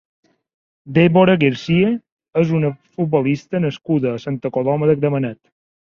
Débora García és una futbolista nascuda a Santa Coloma de Gramenet.